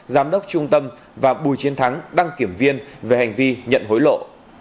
giám đốc trung tâm và bùi chiến thắng đăng kiểm viên về hành vi nhận hối lộ